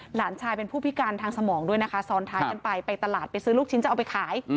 หลานชายเป็นผู้พิการทางสมองด้วยนะคะซ้อนท้ายกันไปไปตลาดไปซื้อลูกชิ้นจะเอาไปขาย